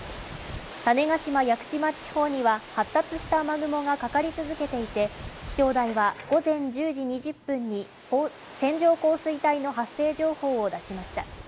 種子島屋久島地方には発達した雨雲がかかり続けていて気象台は午前１０時２０分に線状降水帯の発生情報を出しました